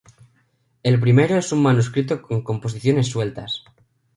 El primero es un manuscrito con composiciones sueltas.